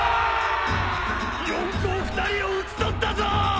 四皇２人を討ち取ったぞ！